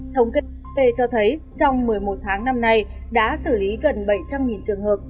thống kết t cho thấy trong một mươi một tháng năm nay đã xử lý gần bảy trăm linh trường hợp